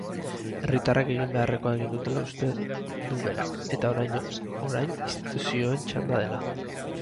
Herritarrek egin beharrekoa egin dutela uste duberak eta orain orain instituzioen txanda dela.